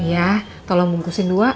iya tolong bungkusin dua